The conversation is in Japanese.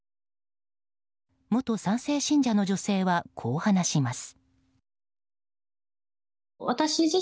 元３世信者の女性はこう話します。